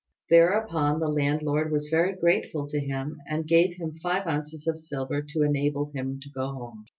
Thereupon the landlord was very grateful to him, and gave him five ounces of silver to enable him to go home.